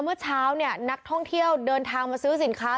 เมื่อเช้าเนี่ยนักท่องเที่ยวเดินทางมาซื้อสินค้า